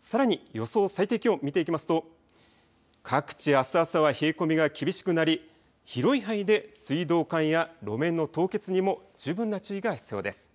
さらに予想最低気温見ていきますと各地あす朝は冷え込みが厳しくなり広い範囲で水道管や路面の凍結にも十分な注意が必要です。